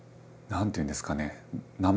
何ていうんですかね